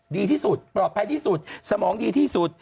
ดีที่สุดปลอดภัยที่สุดสมองดีที่สุด